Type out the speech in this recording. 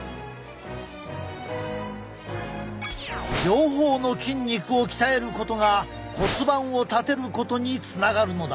両方の筋肉を鍛えることが骨盤を立てることにつながるのだ。